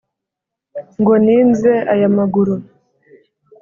ngo ninze aya maguru,